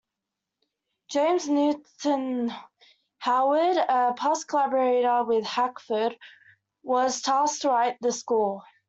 James Newton Howard, a past collaborator with Hackford, was tasked to write the score.